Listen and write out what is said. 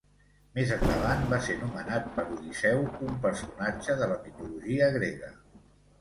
Més endavant va ser nomenat per Odisseu, un personatge de la mitologia grega.